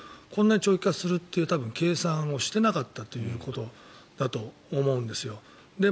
こんなに長期化するという計算をしていなかったということだと思うんですよ。